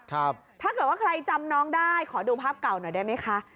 ถ้าเกิดว่าใครจำน้องได้ขอดูภาพเก่าหน่อยได้ไหมคะ